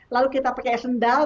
lalu kita pakai sendal